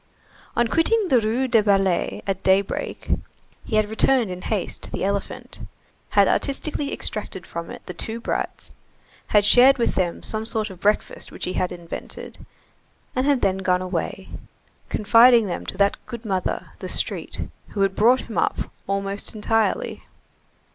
On quitting the Rue des Ballets at daybreak, he had returned in haste to the elephant, had artistically extracted from it the two brats, had shared with them some sort of breakfast which he had invented, and had then gone away, confiding them to that good mother, the street, who had brought him up, almost entirely.